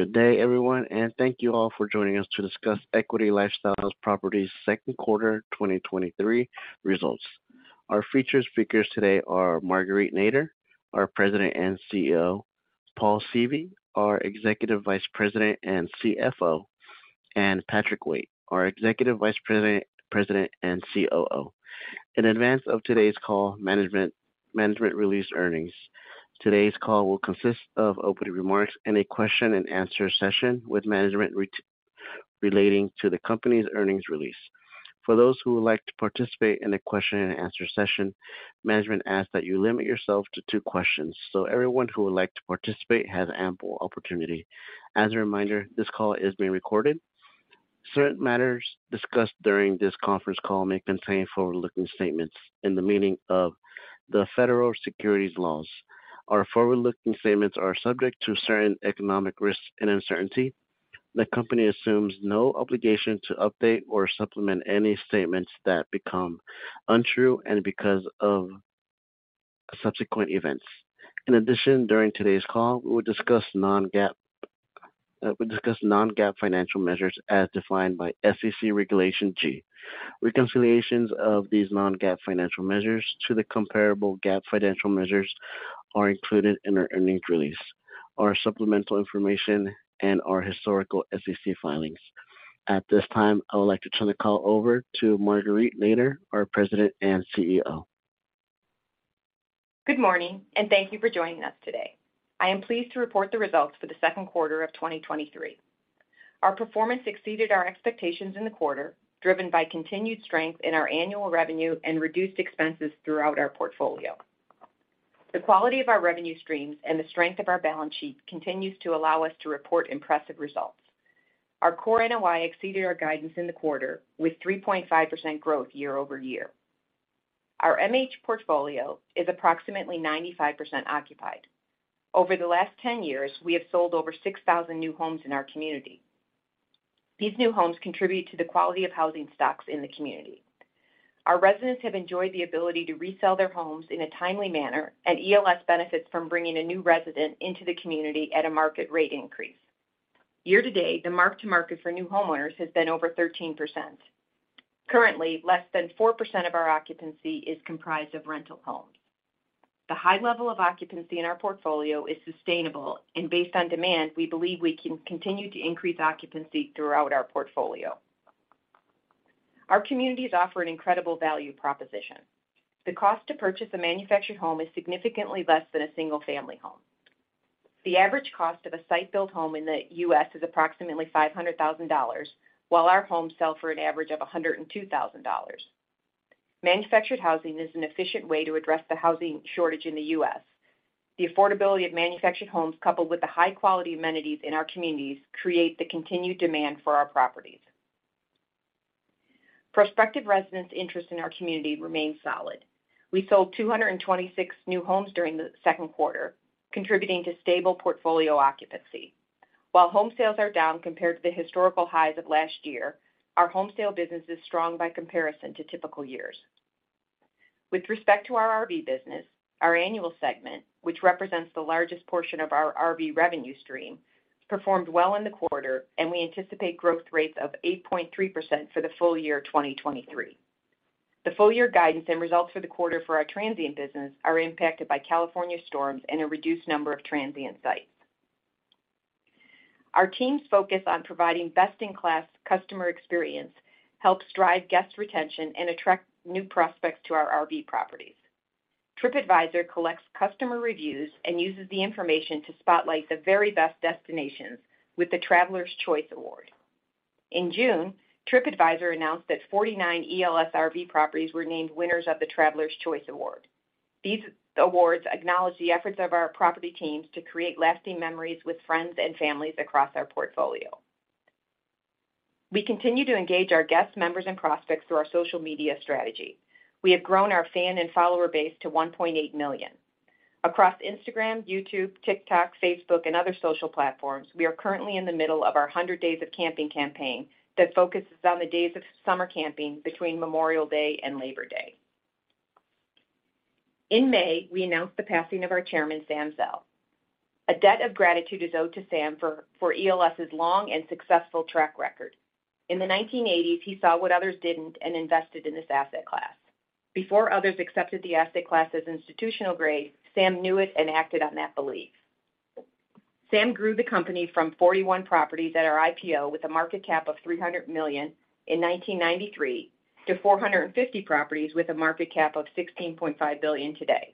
Good day, everyone, and thank you all for joining us to discuss Equity LifeStyle Properties 2nd quarter 2023 results. Our featured speakers today are Marguerite Nader, our President and CEO, Paul Seavey, our Executive Vice President and CFO, and Patrick Waite, our Executive Vice President, and COO. In advance of today's call, management released earnings. Today's call will consist of opening remarks and a question-and-answer session with management relating to the company's earnings release. For those who would like to participate in a question-and-answer session, management asks that you limit yourself to two questions, so everyone who would like to participate has ample opportunity. As a reminder, this call is being recorded. Certain matters discussed during this conference call may contain forward-looking statements in the meaning of the federal securities laws. Our forward-looking statements are subject to certain economic risks and uncertainty. The company assumes no obligation to update or supplement any statements that become untrue and because of subsequent events. In addition, during today's call, we'll discuss non-GAAP financial measures as defined by SEC Regulation G. Reconciliations of these non-GAAP financial measures to the comparable GAAP financial measures are included in our earnings release, our supplemental information, and our historical SEC filings. At this time, I would like to turn the call over to Marguerite Nader, our President and CEO. Good morning, and thank you for joining us today. I am pleased to report the results for the second quarter of 2023. Our performance exceeded our expectations in the quarter, driven by continued strength in our annual revenue and reduced expenses throughout our portfolio. The quality of our revenue streams and the strength of our balance sheet continues to allow us to report impressive results. Our core NOI exceeded our guidance in the quarter, with 3.5% growth year-over-year. Our MH portfolio is approximately 95% occupied. Over the last 10 years, we have sold over 6,000 new homes in our community. These new homes contribute to the quality of housing stocks in the community. Our residents have enjoyed the ability to resell their homes in a timely manner, and ELS benefits from bringing a new resident into the community at a market rate increase. Year to date, the mark-to-market for new homeowners has been over 13%. Currently, less than 4% of our occupancy is comprised of rental homes. The high level of occupancy in our portfolio is sustainable, and based on demand, we believe we can continue to increase occupancy throughout our portfolio. Our communities offer an incredible value proposition. The cost to purchase a manufactured home is significantly less than a single-family home. The average cost of a site-built home in the U.S. is approximately $500,000, while our homes sell for an average of $102,000. Manufactured housing is an efficient way to address the housing shortage in the U.S. The affordability of manufactured homes, coupled with the high-quality amenities in our communities, create the continued demand for our properties. Prospective residents' interest in our community remains solid. We sold 226 new homes during the second quarter, contributing to stable portfolio occupancy. While home sales are down compared to the historical highs of last year, our home sale business is strong by comparison to typical years. With respect to our RV business, our annual segment, which represents the largest portion of our RV revenue stream, performed well in the quarter, and we anticipate growth rates of 8.3% for the full year 2023. The full-year guidance and results for the quarter for our transient business are impacted by California storms and a reduced number of transient sites. Our team's focus on providing best-in-class customer experience helps drive guest retention and attract new prospects to our RV properties. TripAdvisor collects customer reviews and uses the information to spotlight the very best destinations with the Travelers' Choice Award. In June, TripAdvisor announced that 49 ELS RV properties were named winners of the Travelers' Choice Award. These awards acknowledge the efforts of our property teams to create lasting memories with friends and families across our portfolio. We continue to engage our guests, members, and prospects through our social media strategy. We have grown our fan and follower base to 1.8 million. Across Instagram, YouTube, TikTok, Facebook, and other social platforms, we are currently in the middle of our 100 Days of Camping campaign that focuses on the days of summer camping between Memorial Day and Labor Day. In May, we announced the passing of our chairman, Sam Zell. A debt of gratitude is owed to Sam for ELS's long and successful track record. In the 1980s, he saw what others didn't and invested in this asset class. Before others accepted the asset class as institutional grade, Sam knew it and acted on that belief. Sam grew the company from 41 properties at our IPO with a market cap of $300 million in 1993 to 450 properties with a market cap of $16.5 billion today.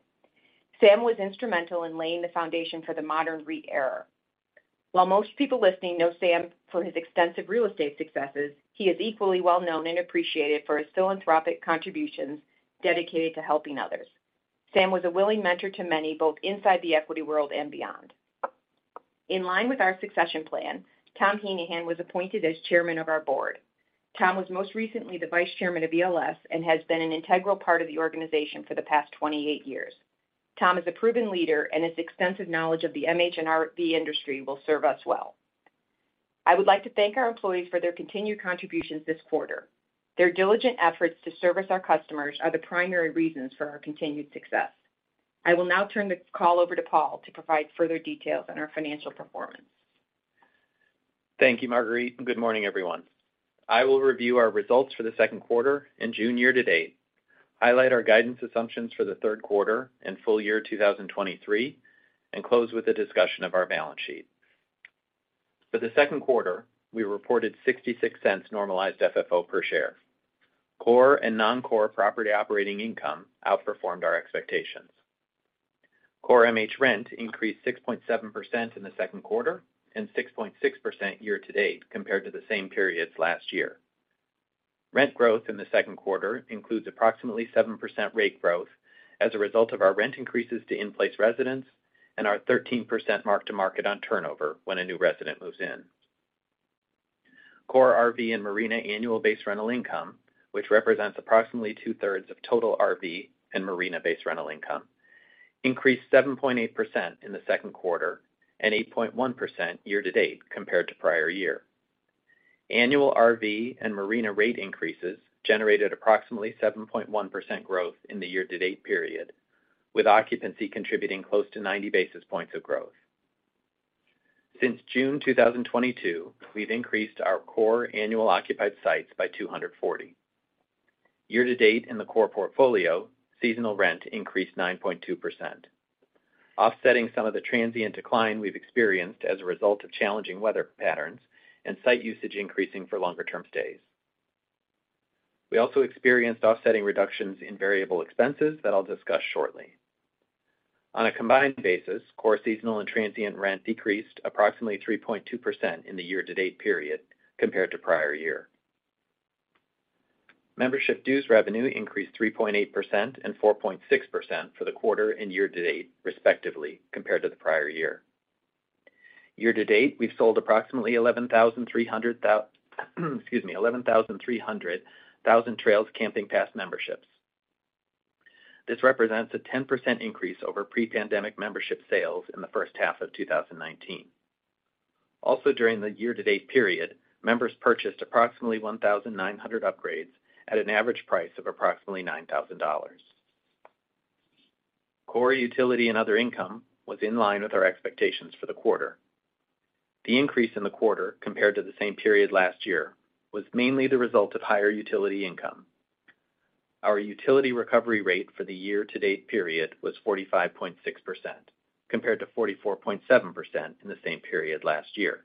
Sam was instrumental in laying the foundation for the modern REIT era. While most people listening know Sam for his extensive real estate successes, he is equally well known and appreciated for his philanthropic contributions dedicated to helping others. Sam was a willing mentor to many, both inside the equity world and beyond. In line with our succession plan, Thomas Heneghan was appointed as chairman of our board. Tom was most recently the vice chairman of ELS and has been an integral part of the organization for the past 28 years. Tom is a proven leader, and his extensive knowledge of the MH and RV industry will serve us well. I would like to thank our employees for their continued contributions this quarter. Their diligent efforts to service our customers are the primary reasons for our continued success. I will now turn the call over to Paul to provide further details on our financial performance. Thank you, Marguerite. Good morning, everyone. I will review our results for the second quarter and June year-to-date, highlight our guidance assumptions for the third quarter and full year 2023, and close with a discussion of our balance sheet. For the second quarter, we reported $0.66 normalized FFO per share. Core and non-core property operating income outperformed our expectations. Core MH rent increased 6.7% in the second quarter and 6.6% year-to-date compared to the same periods last year. Rent growth in the second quarter includes approximately 7% rate growth as a result of our rent increases to in-place residents and our 13% mark-to-market on turnover when a new resident moves in. Core RV and Marina annual base rental income, which represents approximately two-thirds of total RV and Marina-based rental income, increased 7.8% in the second quarter and 8.1% year to date compared to prior year. Annual RV and Marina rate increases generated approximately 7.1% growth in the year-to-date period, with occupancy contributing close to 90 basis points of growth. Since June 2022, we've increased our core annual occupied sites by 240. Year to date in the core portfolio, seasonal rent increased 9.2%, offsetting some of the transient decline we've experienced as a result of challenging weather patterns and site usage increasing for longer-term stays. We also experienced offsetting reductions in variable expenses that I'll discuss shortly. On a combined basis, core seasonal and transient rent decreased approximately 3.2% in the year-to-date period compared to prior year. Membership dues revenue increased 3.8% and 4.6% for the quarter and year-to-date, respectively, compared to the prior year. Year-to-date, we've sold approximately 11,300 Thousand Trails camping pass memberships. This represents a 10% increase over pre-pandemic membership sales in the first half of 2019. During the year-to-date period, members purchased approximately 1,900 upgrades at an average price of approximately $9,000. Core utility and other income was in line with our expectations for the quarter. The increase in the quarter, compared to the same period last year, was mainly the result of higher utility income. Our utility recovery rate for the year-to-date period was 45.6%, compared to 44.7% in the same period last year.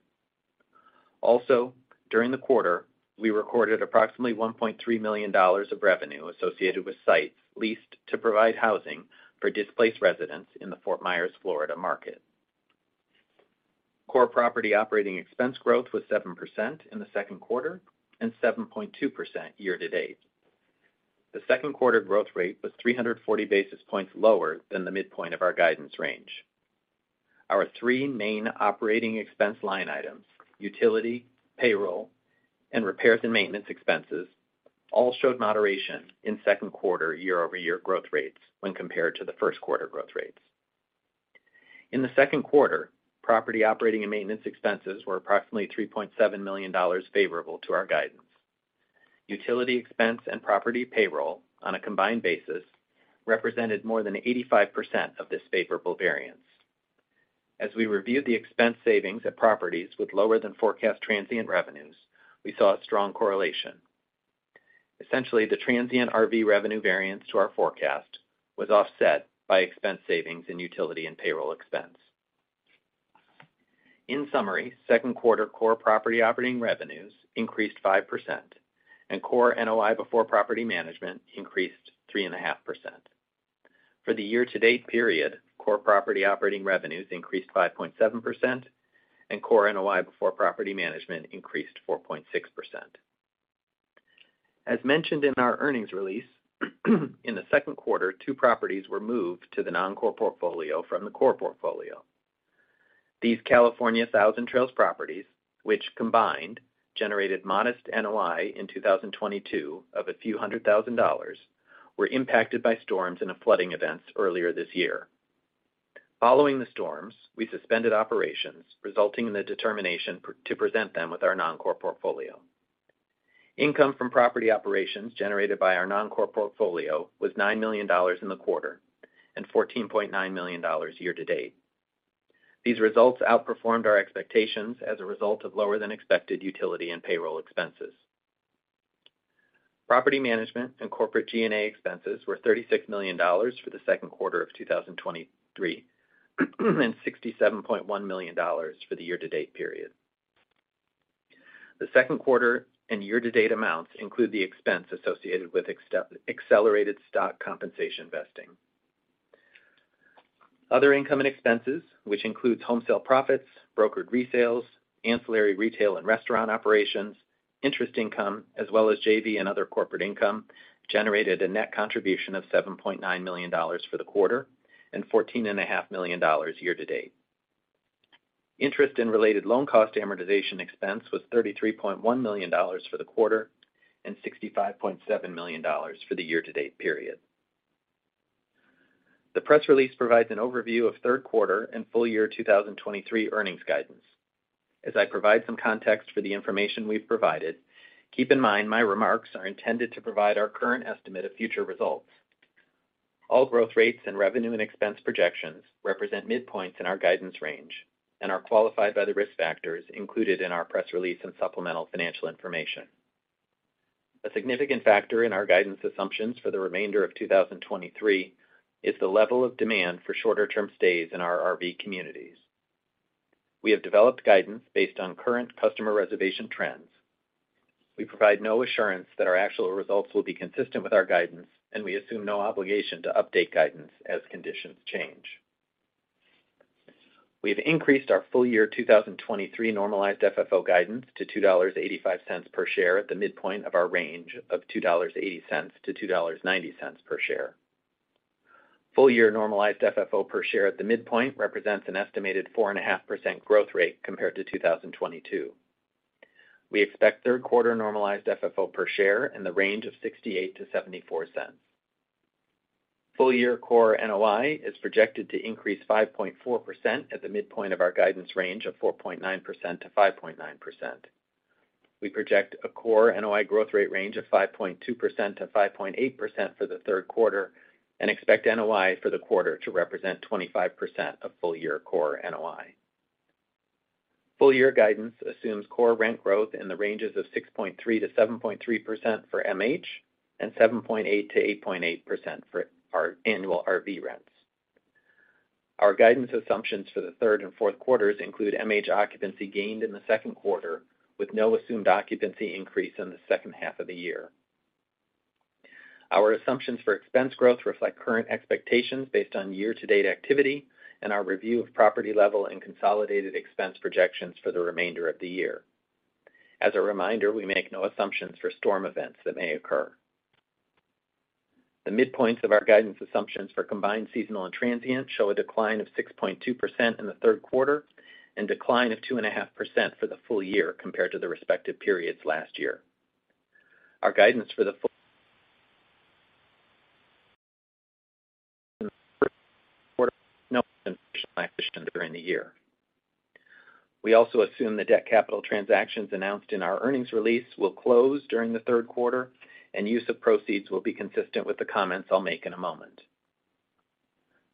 Also, during the quarter, we recorded approximately $1.3 million of revenue associated with sites leased to provide housing for displaced residents in the Fort Myers, Florida, market. Core property operating expense growth was 7% in the second quarter and 7.2% year-to-date. The second quarter growth rate was 340 basis points lower than the midpoint of our guidance range. Our three main operating expense line items, utility, payroll, and repairs and maintenance expenses, all showed moderation in second quarter year-over-year growth rates when compared to the first quarter growth rates. In the second quarter, property operating and maintenance expenses were approximately $3.7 million favorable to our guidance. Utility expense and property payroll, on a combined basis, represented more than 85% of this favorable variance. As we reviewed the expense savings at properties with lower than forecast transient revenues, we saw a strong correlation. Essentially, the transient RV revenue variance to our forecast was offset by expense savings in utility and payroll expense. In summary, second quarter core property operating revenues increased 5%, and core NOI before property management increased 3.5%. For the year-to-date period, core property operating revenues increased 5.7%, and core NOI before property management increased 4.6%. As mentioned in our earnings release, in the second quarter, two properties were moved to the non-core portfolio from the core portfolio. These California Thousand Trails properties, which combined, generated modest NOI in 2022 of a few hundred thousand dollars, were impacted by storms and a flooding event earlier this year. Following the storms, we suspended operations, resulting in the determination to present them with our non-core portfolio. Income from property operations generated by our non-core portfolio was $9 million in the quarter and $14.9 million year-to-date. These results outperformed our expectations as a result of lower than expected utility and payroll expenses. Property management and corporate G&A expenses were $36 million for the second quarter of 2023, and $67.1 million for the year-to-date period. The second quarter and year-to-date amounts include the expense associated with accelerated stock compensation vesting. Other income and expenses, which includes home sale profits, brokered resales, ancillary retail and restaurant operations, interest income, as well as JV and other corporate income, generated a net contribution of $7.9 million for the quarter and fourteen and a half million dollars year-to-date. Interest and related loan cost amortization expense was $33.1 million for the quarter and $65.7 million for the year-to-date period. The press release provides an overview of third quarter and full year 2023 earnings guidance. As I provide some context for the information we've provided, keep in mind my remarks are intended to provide our current estimate of future results. All growth rates and revenue and expense projections represent midpoints in our guidance range and are qualified by the risk factors included in our press release and supplemental financial information. A significant factor in our guidance assumptions for the remainder of 2023 is the level of demand for shorter-term stays in our RV communities. We have developed guidance based on current customer reservation trends. We provide no assurance that our actual results will be consistent with our guidance, and we assume no obligation to update guidance as conditions change. We have increased our full year 2023 normalized FFO guidance to $2.85 per share at the midpoint of our range of $2.80-$2.90 per share. Full year normalized FFO per share at the midpoint represents an estimated 4.5% growth rate compared to 2022. We expect third quarter normalized FFO per share in the range of $0.68-$0.74. Full year core NOI is projected to increase 5.4% at the midpoint of our guidance range of 4.9%-5.9%. We project a core NOI growth rate range of 5.2%-5.8% for the third quarter and expect NOI for the quarter to represent 25% of full-year core NOI. Full year guidance assumes core rent growth in the ranges of 6.3%-7.3% for MH and 7.8%-8.8% for our annual RV rents. Our guidance assumptions for the third and fourth quarters include MH occupancy gained in the second quarter, with no assumed occupancy increase in the second half of the year. Our assumptions for expense growth reflect current expectations based on year-to-date activity and our review of property level and consolidated expense projections for the remainder of the year. As a reminder, we make no assumptions for storm events that may occur. The midpoints of our guidance assumptions for combined, seasonal, and transient show a decline of 6.2% in the third quarter and decline of 2.5% for the full year compared to the respective periods last year. Our guidance for the full quarter during the year. We also assume the debt capital transactions announced in our earnings release will close during the third quarter, and use of proceeds will be consistent with the comments I'll make in a moment.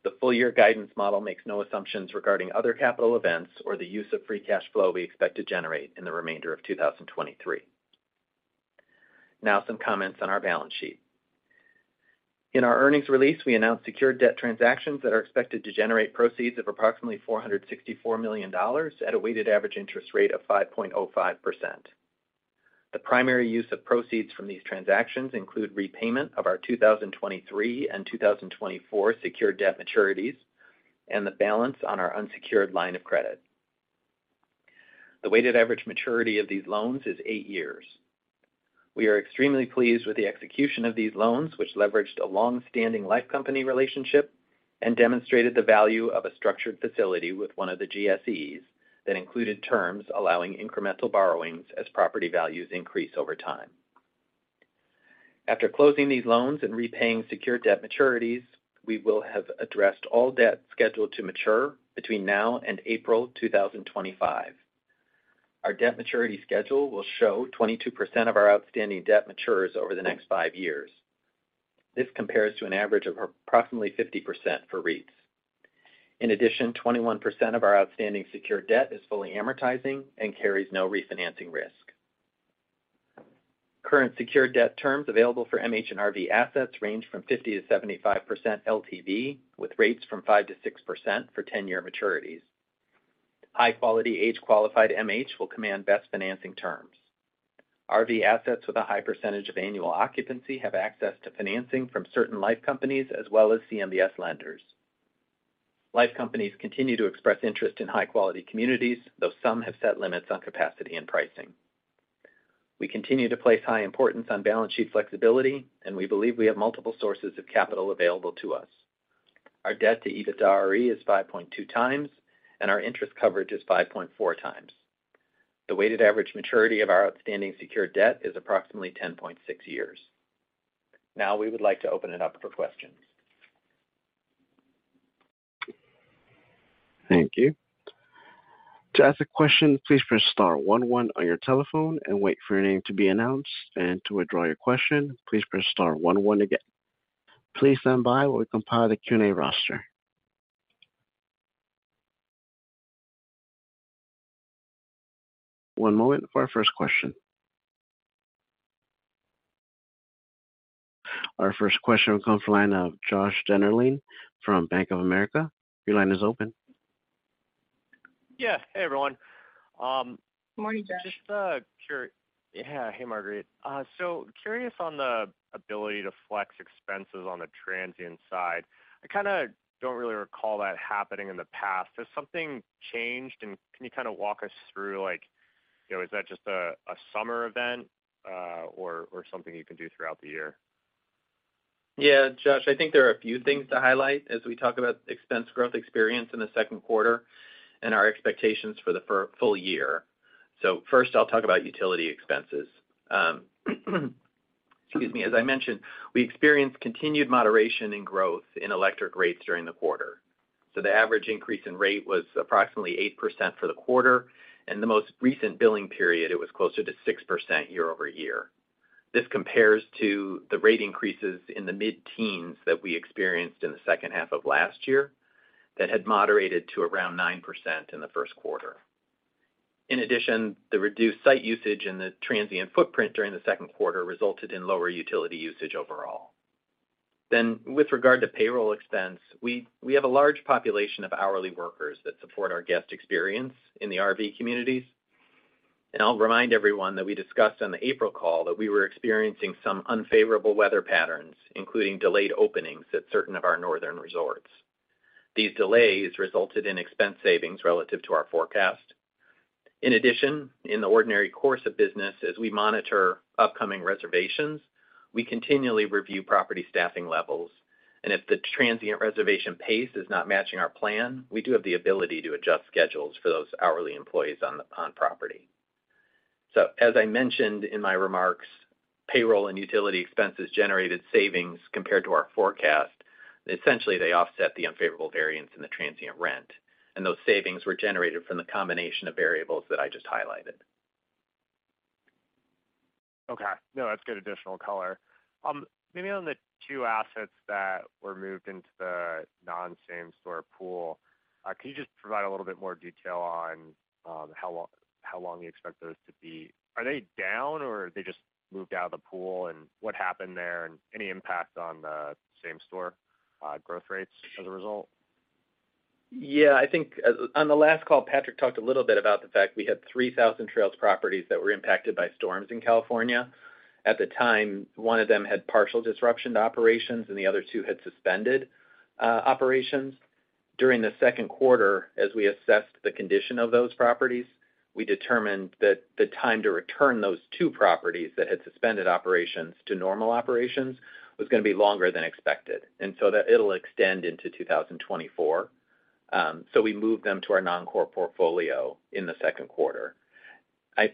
The full year guidance model makes no assumptions regarding other capital events or the use of free cash flow we expect to generate in the remainder of 2023. Some comments on our balance sheet. In our earnings release, we announced secured debt transactions that are expected to generate proceeds of approximately $464 million at a weighted average interest rate of 5.05%. The primary use of proceeds from these transactions include repayment of our 2023 and 2024 secured debt maturities and the balance on our unsecured line of credit. The weighted average maturity of these loans is eight years. We are extremely pleased with the execution of these loans, which leveraged a long-standing life company relationship and demonstrated the value of a structured facility with one of the GSEs that included terms allowing incremental borrowings as property values increase over time. After closing these loans and repaying secured debt maturities, we will have addressed all debt scheduled to mature between now and April 2025. Our debt maturity schedule will show 22% of our outstanding debt matures over the next five years. This compares to an average of approximately 50% for REITs. In addition, 21% of our outstanding secured debt is fully amortizing and carries no refinancing risk. Current secured debt terms available for MH and RV assets range from 50%-75% LTV, with rates from 5%-6% for 10-year maturities. High-quality, age-qualified MH will command best financing terms. RV assets with a high percentage of annual occupancy have access to financing from certain life companies as well as CMBS lenders. Life companies continue to express interest in high-quality communities, though some have set limits on capacity and pricing. We continue to place high importance on balance sheet flexibility, and we believe we have multiple sources of capital available to us. Our debt to EBITDAre is 5.2 times, and our interest coverage is 5.4 times. The weighted average maturity of our outstanding secured debt is approximately 10.6 years. Now we would like to open it up for questions. Thank you. To ask a question, please press star one one on your telephone and wait for your name to be announced. To withdraw your question, please press star one one again. Please stand by while we compile the Q&A roster. One moment for our first question. Our first question will come from the line of Josh Dennerlein from Bank of America. Your line is open. Yeah. Hey, everyone. Morning, Josh. Just, yeah, hey, Margaret. Curious on the ability to flex expenses on the transient side? I kind of don't really recall that happening in the past. Has something changed, and can you kind of walk us through, like, you know, is that just a summer event, or something you can do throughout the year? Yeah, Josh, I think there are a few things to highlight as we talk about expense growth experience in the second quarter and our expectations for the full year. First, I'll talk about utility expenses. Excuse me. As I mentioned, we experienced continued moderation in growth in electric rates during the quarter. The average increase in rate was approximately 8% for the quarter, and the most recent billing period, it was closer to 6% year-over-year. This compares to the rate increases in the mid-teens that we experienced in the second half of last year, that had moderated to around 9% in the first quarter. In addition, the reduced site usage and the transient footprint during the second quarter resulted in lower utility usage overall. With regard to payroll expense, we have a large population of hourly workers that support our guest experience in the RV communities. I'll remind everyone that we discussed on the April call that we were experiencing some unfavorable weather patterns, including delayed openings at certain of our northern resorts. These delays resulted in expense savings relative to our forecast. In addition, in the ordinary course of business, as we monitor upcoming reservations, we continually review property staffing levels, and if the transient reservation pace is not matching our plan, we do have the ability to adjust schedules for those hourly employees on property. As I mentioned in my remarks, payroll and utility expenses generated savings compared to our forecast. Essentially, they offset the unfavorable variance in the transient rent, and those savings were generated from the combination of variables that I just highlighted. Okay. No, that's good additional color. Maybe on the two assets that were moved into the non-same store pool, can you just provide a little bit more detail on how long you expect those to be? Are they down, or are they just moved out of the pool, and what happened there, and any impact on the same store growth rates as a result? I think on the last call, Patrick talked a little bit about the fact we had 3 Thousand Trails properties that were impacted by storms in California. At the time, one of them had partial disruption to operations, and the other two had suspended operations. During the second quarter, as we assessed the condition of those properties, we determined that the time to return those two properties that had suspended operations to normal operations was gonna be longer than expected, and so that it'll extend into 2024. We moved them to our non-core portfolio in the second quarter. As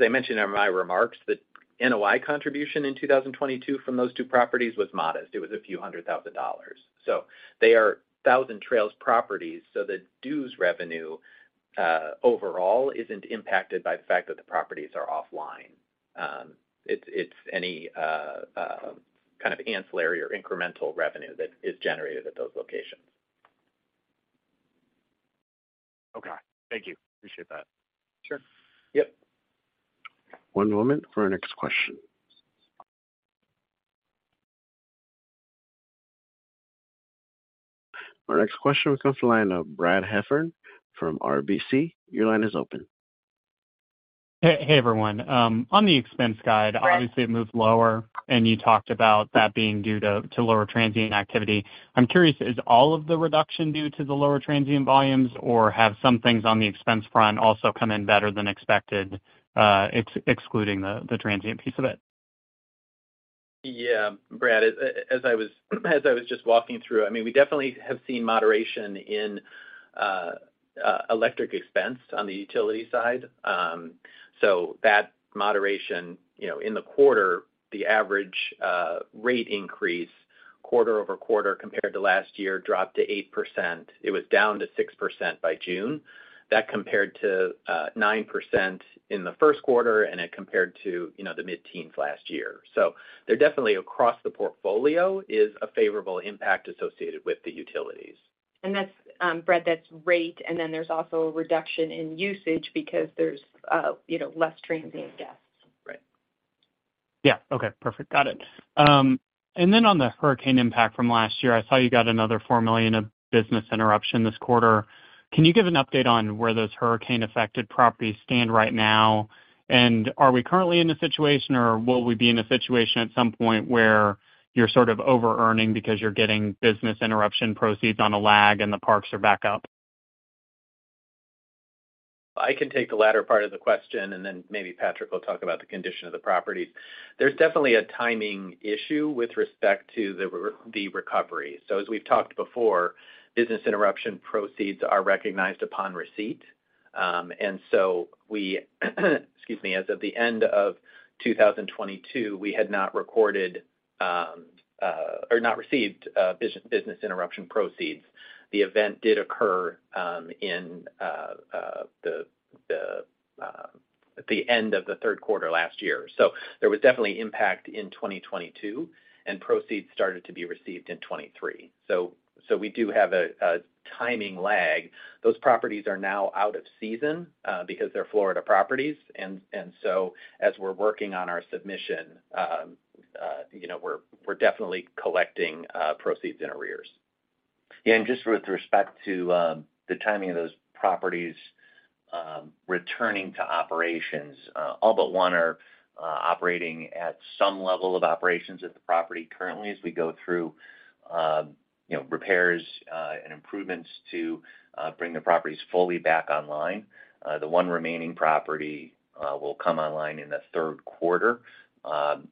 I mentioned in my remarks, the NOI contribution in 2022 from those two properties was modest. It was a few hundred thousand dollars. They are Thousand Trails properties, so the dues revenue overall, isn't impacted by the fact that the properties are offline. It's any kind of ancillary or incremental revenue that is generated at those locations. Okay. Thank you. Appreciate that. Sure. Yep. One moment for our next question. Our next question comes from the line of Brad Heffern from RBC. Your line is open. Hey, hey, everyone. On the expense guide, obviously, it moved lower, and you talked about that being due to lower transient activity. I'm curious, is all of the reduction due to the lower transient volumes, or have some things on the expense front also come in better than expected, excluding the transient piece of it? Yeah, Brad, as I was just walking through, I mean, we definitely have seen moderation in electric expense on the utility side. That moderation, you know, in the quarter, the average rate increase quarter-over-quarter compared to last year dropped to 8%. It was down to 6% by June. That compared to 9% in the first quarter, and it compared to, you know, the mid-teens last year. There definitely across the portfolio is a favorable impact associated with the utilities. That's, Brad, that's rate, and then there's also a reduction in usage because there's, you know, less transient guests. Right. Yeah. Okay, perfect. Got it. Then on the hurricane impact from last year, I saw you got another $4 million of business interruption this quarter. Can you give an update on where those hurricane-affected properties stand right now? Are we currently in a situation, or will we be in a situation at some point where you're sort of overearning because you're getting business interruption proceeds on a lag and the parks are back up? I can take the latter part of the question, and then maybe Patrick will talk about the condition of the properties. There's definitely a timing issue with respect to the recovery. As we've talked before, business interruption proceeds are recognized upon receipt. We, excuse me, as of the end of 2022, we had not recorded or not received business interruption proceeds. The event did occur in at the end of the third quarter last year. There was definitely impact in 2022, and proceeds started to be received in 2023. We do have a timing lag. Those properties are now out of season, because they're Florida properties, and so as we're working on our submission, you know, we're definitely collecting proceeds in arrears. Just with respect to the timing of those properties returning to operations, all but one are operating at some level of operations at the property currently, as we go through, you know, repairs and improvements to bring the properties fully back online. The one remaining property will come online in the third quarter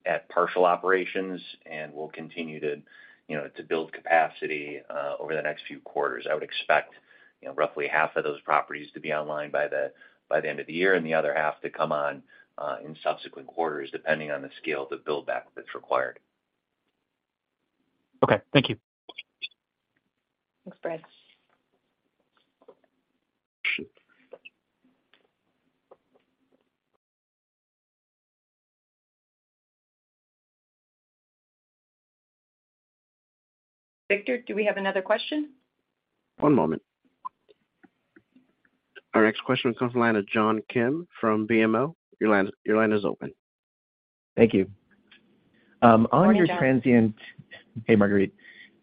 at partial operations, and we'll continue to, you know, to build capacity over the next few quarters. I would expect, you know, roughly half of those properties to be online by the end of the year, and the other half to come on in subsequent quarters, depending on the scale of the build-back that's required. Okay, thank you. Thanks, Brad. Victor, do we have another question? One moment. Our next question comes from the line of John Kim from BMO. Your line is open. Thank you. Good morning, John. Hey, Marguerite.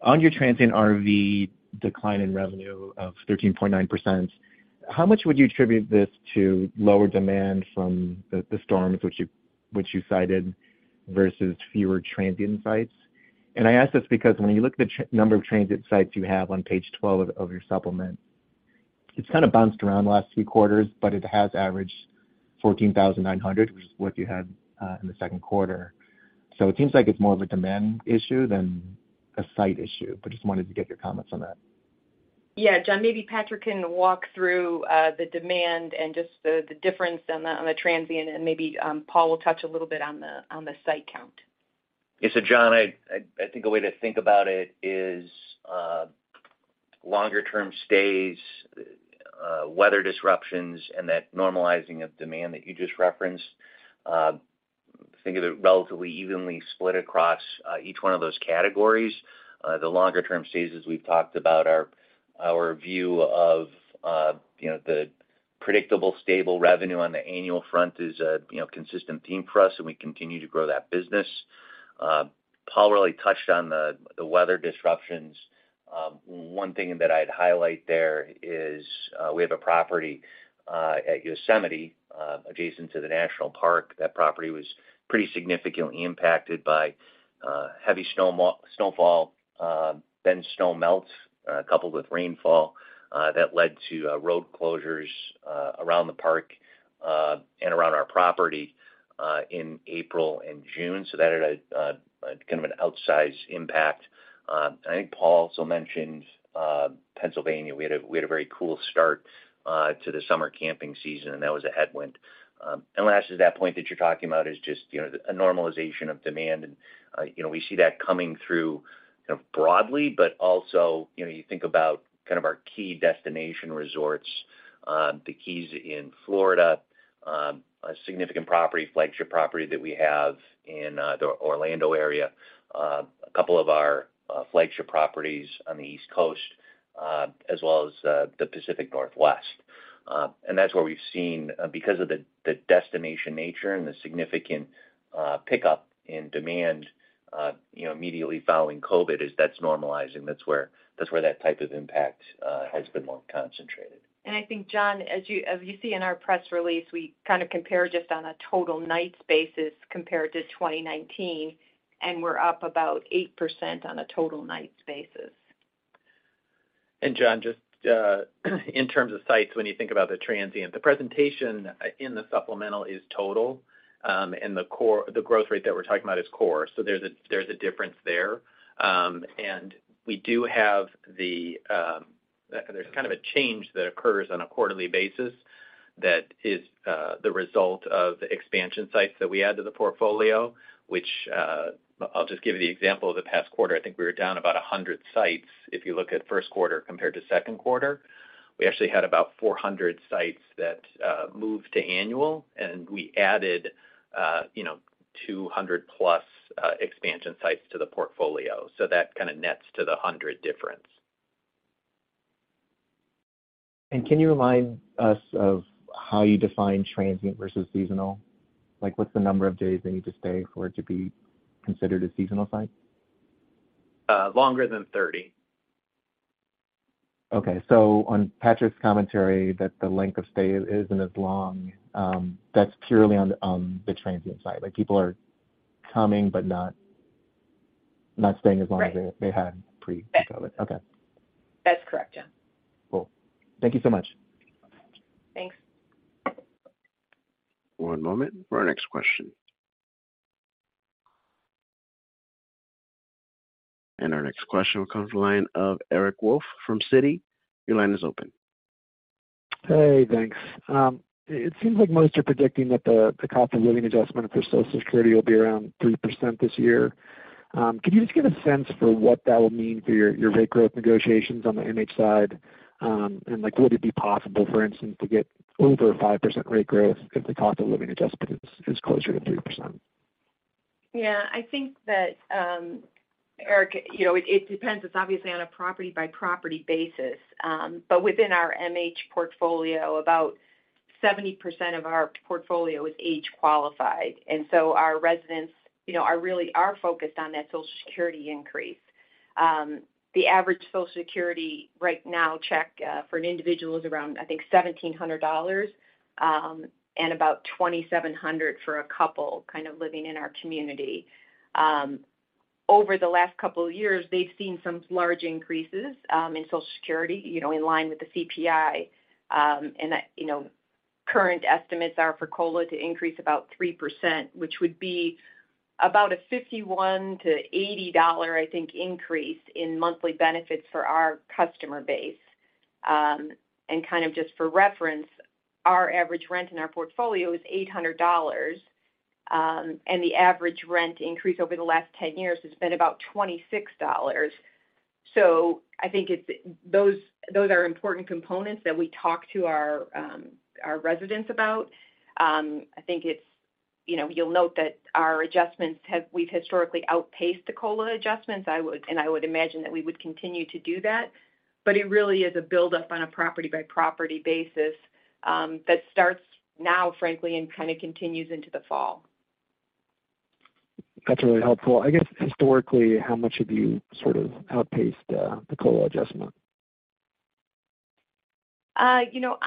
On your transient RV decline in revenue of 13.9%, how much would you attribute this to lower demand from the storms which you cited versus fewer transient sites? I ask this because when you look at the number of transient sites you have on page 12 of your supplement, it's kind of bounced around the last three quarters, but it has averaged 14,900, which is what you had in the second quarter. It seems like it's more of a demand issue than a site issue, but just wanted to get your comments on that. Yeah, John, maybe Patrick can walk through the demand and just the difference on the, on the transient, and maybe Paul will touch a little bit on the, on the site count. Yeah. John, I think a way to think about it is longer term stays, weather disruptions, and that normalizing of demand that you just referenced, think of it relatively evenly split across each one of those categories. The longer term stays, as we've talked about, our view of, you know, the predictable, stable revenue on the annual front is a, you know, consistent theme for us, and we continue to grow that business. Paul really touched on the weather disruptions. One thing that I'd highlight there is we have a property at Yosemite, adjacent to the National Park. That property was pretty significantly impacted by heavy snowfall, then snow melt, coupled with rainfall, that led to road closures around the park and around our property in April and June. That had a kind of an outsized impact. I think Paul also mentioned Pennsylvania. We had a very cool start to the summer camping season, and that was a headwind. Last is that point that you're talking about is just, you know, a normalization of demand. You know, we see that coming through kind of broadly, but also, you know, you think about kind of our key destination resorts, the Keys in Florida, a significant property, flagship property that we have in the Orlando area, a couple of our flagship properties on the East Coast, as well as the Pacific Northwest. That's where we've seen, because of the destination nature and the significant pickup in demand, you know, immediately following COVID, as that's normalizing, that's where that type of impact has been more concentrated. I think, John, as you see in our press release, we kind of compare just on a total nights basis compared to 2019, and we're up about 8% on a total nights basis. John, just in terms of sites, when you think about the transient, the presentation in the supplemental is total, and the growth rate that we're talking about is core. There's a difference there. We do have the, there's kind of a change that occurs on a quarterly basis that is the result of the expansion sites that we add to the portfolio, which I'll just give you the example of the past quarter. I think we were down about 100 sites if you look at first quarter compared to second quarter. We actually had about 400 sites that moved to annual, and we added, you know, 200 plus expansion sites to the portfolio. That kind of nets to the 100 difference. Can you remind us of how you define transient versus seasonal? Like, what's the number of days they need to stay for it to be considered a seasonal site? longer than 30. Okay. On Patrick's commentary, that the length of stay isn't as long, that's purely on the transient side. Like, people are coming but not staying as long... Right. as they had pre-COVID. Yes. Okay. That's correct, yeah. Cool. Thank you so much. Thanks. One moment for our next question. Our next question comes from the line of Eric Wolfe from Citi. Your line is open. Hey, thanks. It seems like most are predicting that the cost of living adjustment for Social Security will be around 3% this year. Could you just give a sense for what that will mean for your rate growth negotiations on the MH side? Like, would it be possible, for instance, to get over a 5% rate growth if the cost of living adjustment is closer to 3%? I think that, Eric, you know, it depends. It's obviously on a property-by-property basis. Within our MH portfolio, about 70% of our portfolio is age qualified, and so our residents, you know, are really focused on that Social Security increase. The average Social Security right now check for an individual is around, I think, $1,700, and about $2,700 for a couple kind of living in our community. Over the last couple of years, they've seen some large increases in Social Security, you know, in line with the CPI. That, you know, current estimates are for COLA to increase about 3%, which would be about a $51-$80, I think, increase in monthly benefits for our customer base. Kind of just for reference, our average rent in our portfolio is $800, and the average rent increase over the last 10 years has been about $26. I think those are important components that we talk to our residents about. I think it's, you know, you'll note that our adjustments, we've historically outpaced the COLA adjustments. I would imagine that we would continue to do that. It really is a buildup on a property-by-property basis that starts now, frankly, and kind of continues into the fall. That's really helpful. I guess, historically, how much have you sort of outpaced the COLA adjustment? you know,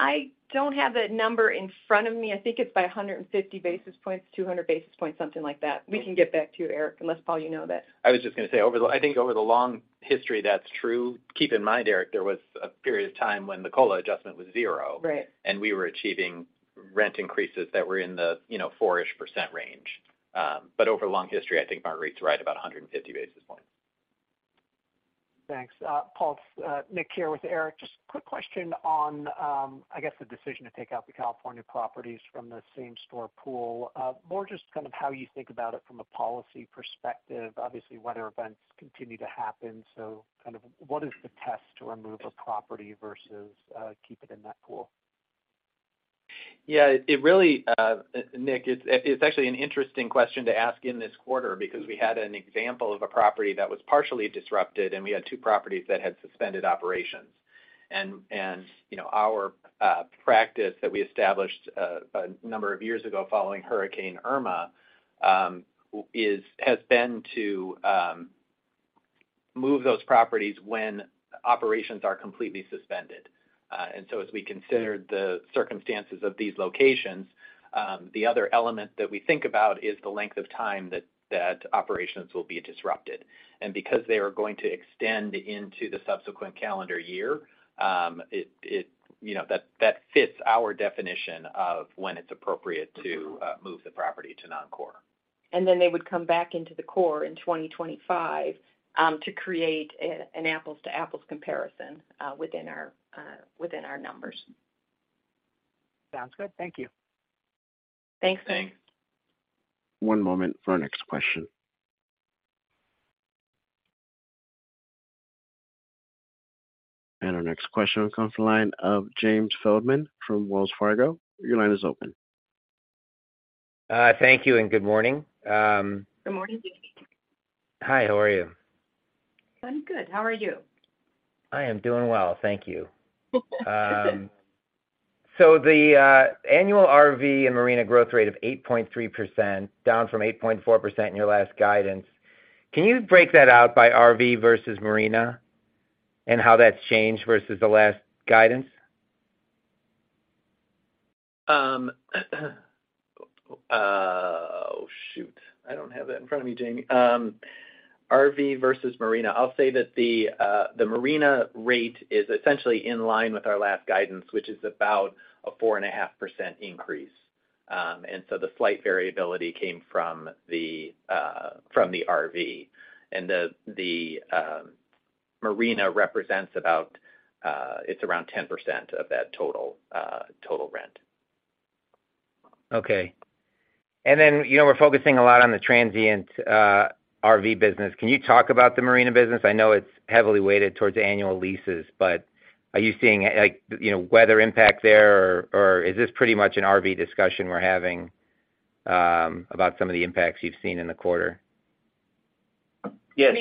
I don't have that number in front of me. I think it's by 150 basis points, 200 basis points, something like that. We can get back to you, Eric, unless, Paul, you know that. I was just going to say, I think over the long history, that's true. Keep in mind, Eric, there was a period of time when the COLA adjustment was zero. Right. We were achieving rent increases that were in the, you know, 4-ish% range. Over the long history, I think Margaret's right, about 150 basis points. Thanks, Paul. Nick, here with Eric. Just quick question on the decision to take out the California properties from the same-store pool. More just how you think about it from a policy perspective. Obviously, weather events continue to happen, so what is the test to remove a property versus keep it in that pool? Yeah, it really, Nick, it's actually an interesting question to ask in this quarter because we had an example of a property that was partially disrupted, and we had two properties that had suspended operations. You know, our practice that we established a number of years ago following Hurricane Irma, has been to move those properties when operations are completely suspended. As we considered the circumstances of these locations, the other element that we think about is the length of time that operations will be disrupted. Because they are going to extend into the subsequent calendar year, it, you know, that fits our definition of when it's appropriate to move the property to non-core. They would come back into the core in 2025, to create an apples to apples comparison, within our numbers. Sounds good. Thank you. Thanks. Thanks. One moment for our next question. Our next question comes from the line of Jamie Feldman from Wells Fargo. Your line is open. Thank you, and good morning. Good morning, Jamie. Hi, how are you? I'm good. How are you? I am doing well. Thank you. The annual RV and marina growth rate of 8.3%, down from 8.4% in your last guidance, can you break that out by RV versus marina and how that's changed versus the last guidance? I don't have that in front of me, Jamie. RV versus marina. I'll say that the marina rate is essentially in line with our last guidance, which is about a 4.5% increase. The slight variability came from the RV, and the marina represents about it's around 10% of that total rent. Okay. Then, you know, we're focusing a lot on the transient RV business. Can you talk about the marina business? I know it's heavily weighted towards annual leases, but are you seeing, like, you know, weather impact there, or is this pretty much an RV discussion we're having about some of the impacts you've seen in the quarter? Yes-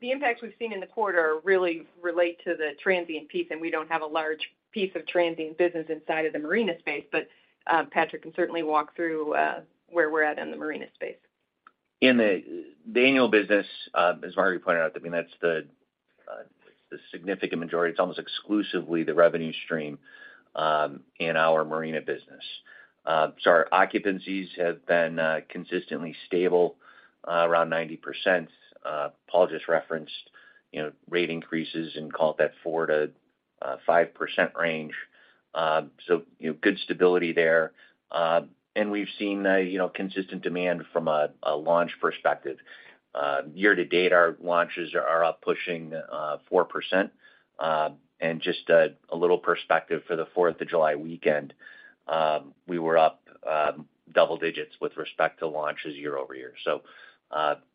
The impacts we've seen in the quarter really relate to the transient piece, and we don't have a large piece of transient business inside of the marina space. Patrick can certainly walk through where we're at in the marina space. In the annual business, as Margaret pointed out, I mean, that's the significant majority. It's almost exclusively the revenue stream in our marina business. Our occupancies have been consistently stable around 90%. Paul just referenced, you know, rate increases and called that 4%-5% range. You know, good stability there. We've seen, you know, consistent demand from a launch perspective. Year to date, our launches are up pushing 4%. Just a little perspective for the Fourth of July weekend, we were up double digits with respect to launches year-over-year.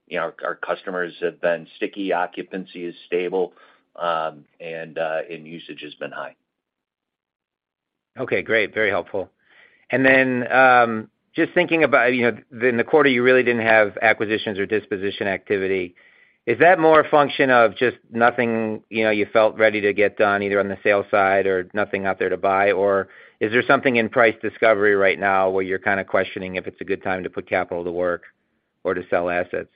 You know, our customers have been sticky, occupancy is stable, and usage has been high. Okay, great, very helpful. Then, just thinking about, you know, in the quarter, you really didn't have acquisitions or disposition activity. Is that more a function of just nothing, you know, you felt ready to get done, either on the sales side or nothing out there to buy? Or is there something in price discovery right now, where you're kind of questioning if it's a good time to put capital to work or to sell assets?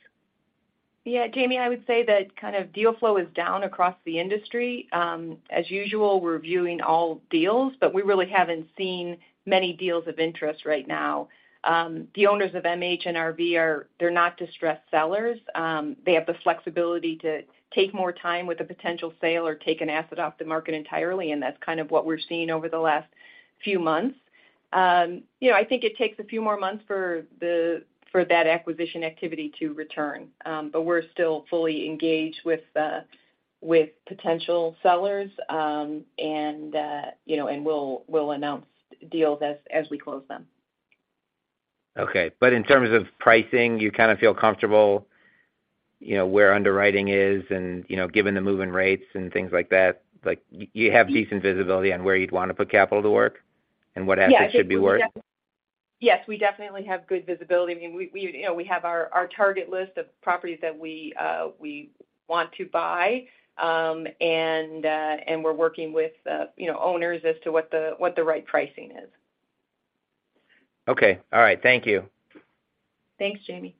Yeah, Jamie, I would say that kind of deal flow is down across the industry. As usual, we're reviewing all deals, but we really haven't seen many deals of interest right now. The owners of MH and RV, they're not distressed sellers. They have the flexibility to take more time with a potential sale or take an asset off the market entirely, and that's kind of what we're seeing over the last few months. You know, I think it takes a few more months for that acquisition activity to return. We're still fully engaged with potential sellers, and, you know, we'll announce deals as we close them. Okay. In terms of pricing, you kind of feel comfortable, you know, where underwriting is and, you know, given the move-in rates and things like that, like, you have decent visibility on where you'd want to put capital to work and what assets should be worth? Yes, we definitely have good visibility. I mean, we, you know, we have our target list of properties that we want to buy. And we're working with, you know, owners as to what the right pricing is. Okay. All right. Thank you. Thanks, Jamie.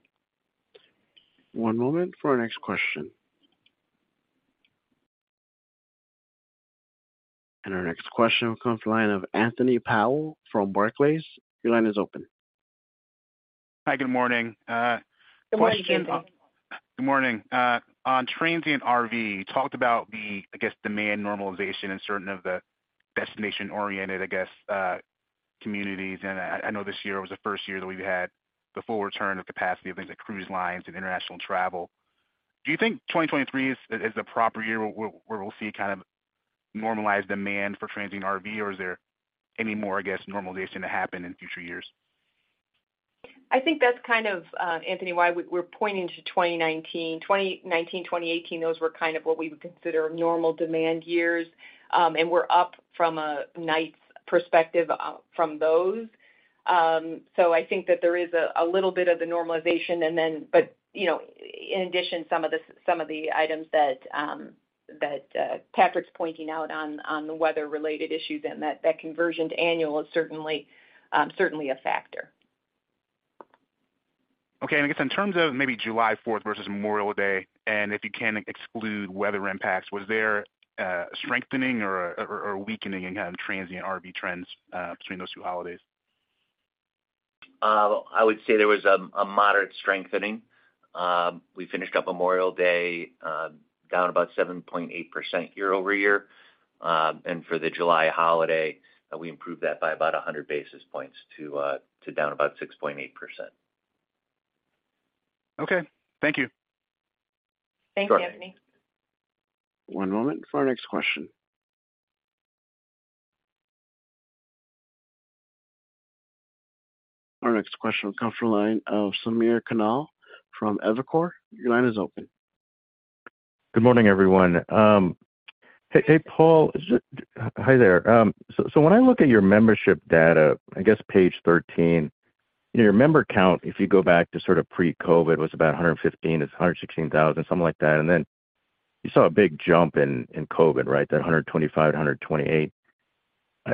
One moment for our next question. Our next question comes from the line of Anthony Powell from Barclays. Your line is open. Hi, good morning. Good morning, Anthony. Good morning. On transient RV, you talked about the demand normalization in certain of the destination-oriented communities. I know this year was the first year that we've had the full return of capacity of things like cruise lines and international travel. Do you think 2023 is the proper year where we'll see kind of normalized demand for transient RV, or is there any more normalization to happen in future years? I think that's kind of, Anthony, why we're pointing to 2019. 2019, 2018, those were kind of what we would consider normal demand years. We're up from a nights perspective from those. I think that there is a little bit of the normalization and then but, you know, in addition, some of the items that Patrick's pointing out on the weather-related issues and that conversion to annual is certainly a factor. Okay. I guess in terms of maybe July Fourth versus Memorial Day, and if you can exclude weather impacts, was there a strengthening or a weakening in kind of transient RV trends between those two holidays? I would say there was a moderate strengthening. We finished up Memorial Day, down about 7.8% year-over-year. For the July holiday, we improved that by about 100 basis points to down about 6.8%. Okay, thank you. Thanks, Anthony. One moment for our next question. Our next question will come from the line of Samir Khanal from Evercore. Your line is open. Good morning, everyone. Hey, Paul. Hi there. When I look at your membership data, I guess page 13, your member count, if you go back to sort of pre-COVID, was about 115, it's 116,000, something like that. Then you saw a big jump in COVID, right? That 125, 128.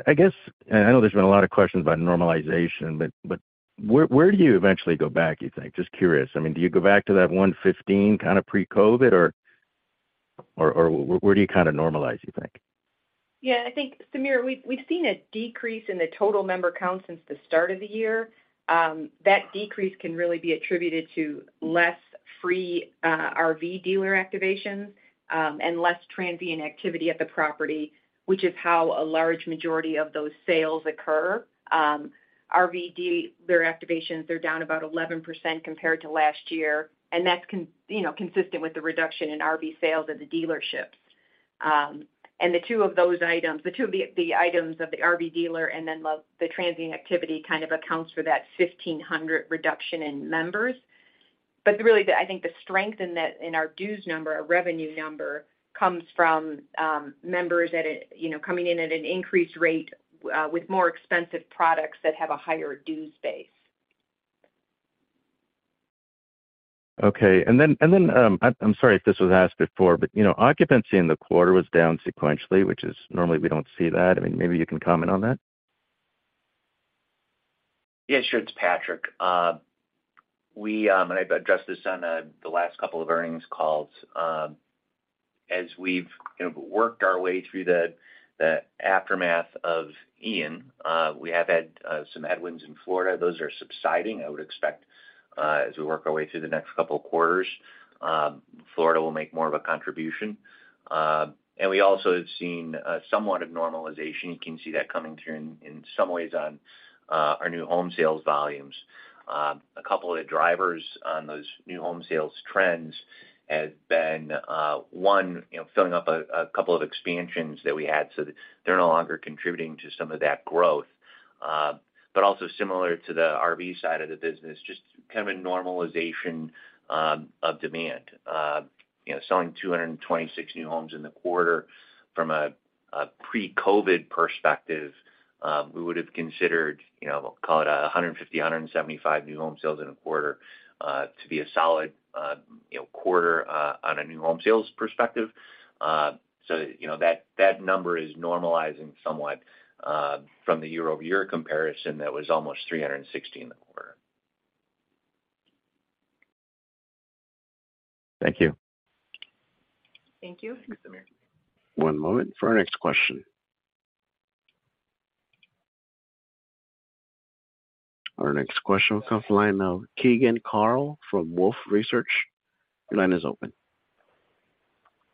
I guess, and I know there's been a lot of questions about normalization, but where do you eventually go back, you think? Just curious. I mean, do you go back to that 115 kind of pre-COVID, or where do you kind of normalize, you think? Yeah, I think, Samir, we've seen a decrease in the total member count since the start of the year. That decrease can really be attributed to less free RV dealer activations and less transient activity at the property, which is how a large majority of those sales occur. RV dealer activations are down about 11% compared to last year, and that's consistent with the reduction in RV sales at the dealerships. The two of those items, the two of the items of the RV dealer and then the transient activity kind of accounts for that 1,500 reduction in members. Really, I think the strength in that, in our dues number, our revenue number, comes from members that, you know, coming in at an increased rate, with more expensive products that have a higher dues base. Okay. I'm sorry if this was asked before, you know, occupancy in the quarter was down sequentially, which is normally we don't see that. I mean, maybe you can comment on that. Yeah, sure. It's Patrick. I've addressed this on the last couple of earnings calls. As we've, you know, worked our way through the aftermath of Hurricane Ian, we have had some headwinds in Florida. Those are subsiding. I would expect, as we work our way through the next couple of quarters, Florida will make more of a contribution. We also have seen somewhat of normalization. You can see that coming through in some ways on our new home sales volumes. A couple of the drivers on those new home sales trends have been, one, you know, filling up a couple of expansions that we had, so they're no longer contributing to some of that growth. Also similar to the RV side of the business, just kind of a normalization of demand. You know, selling 226 new homes in the quarter from a pre-COVID perspective, we would have considered, you know, call it 150, 175 new home sales in a quarter to be a solid, you know, quarter on a new home sales perspective. You know, that number is normalizing somewhat from the year-over-year comparison that was almost 316 in the quarter. Thank you. Thank you. One moment for our next question. Our next question comes from the line of Keegan Carl from Wolfe Research. Your line is open.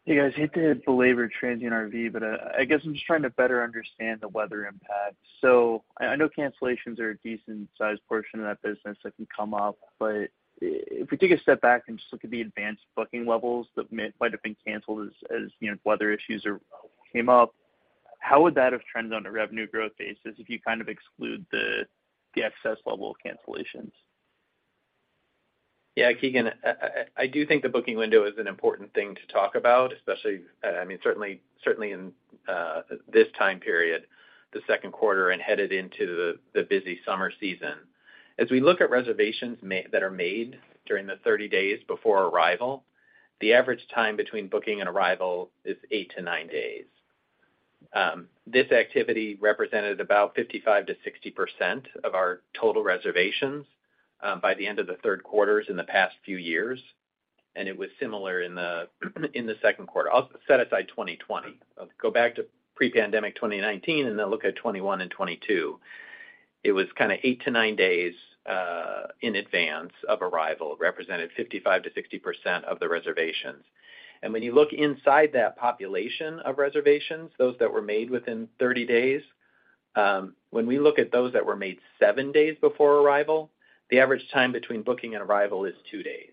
Hey, guys, I hate to belabor transient RV, but I guess I'm just trying to better understand the weather impact. I know cancellations are a decent-sized portion of that business that can come up, but if we take a step back and just look at the advanced booking levels that might have been canceled as, you know, weather issues came up, how would that have trended on a revenue growth basis if you kind of exclude the excess level of cancellations? Yeah, Keegan, I do think the booking window is an important thing to talk about, especially, I mean, certainly in this time period, the second quarter and headed into the busy summer season. As we look at reservations that are made during the 30 days before arrival, the average time between booking and arrival is 8-9 days. This activity represented about 55%-60% of our total reservations, by the end of the third quarters in the past few years, and it was similar in the, in the second quarter. I'll set aside 2020. Go back to pre-pandemic 2019, and then look at 2021 and 2022. It was kind of 8-9 days in advance of arrival, represented 55%-60% of the reservations. When you look inside that population of reservations, those that were made within 30 days, when we look at those that were made 7 days before arrival, the average time between booking and arrival is 2 days.